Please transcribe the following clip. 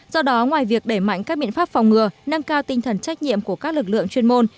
do đó ngoài việc đẩy mạnh các biện pháp phòng ngừa nâng cao tinh thần trách nhiệm của các lực lượng chuyên môn